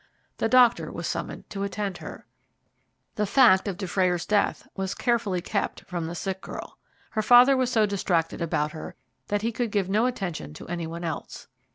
The doctor was summoned to attend her. The fact of Dufrayer's death was carefully kept from the sick girl. Her father was so distracted about her that he could give no attention to any one else.